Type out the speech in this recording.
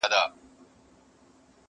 نعمتونه د پېغور او د مِنت یې وه راوړي,